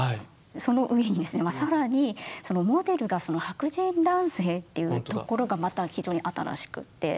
その上にですね更にそのモデルが白人男性っていうところがまた非常に新しくって。